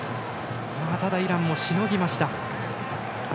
ただイランもしのぎました。